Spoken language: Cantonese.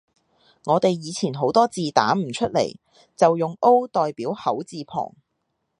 我哋以前好多字打唔出來，就用 O 代表口字旁